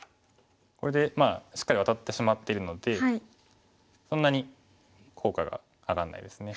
これでしっかりワタってしまっているのでそんなに効果が上がらないですね。